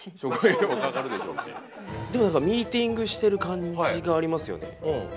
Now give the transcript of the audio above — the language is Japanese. でも何かミーティングしてる感じがありますよね。